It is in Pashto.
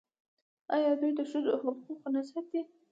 آیا دوی د ښځو حقوق نه ساتي؟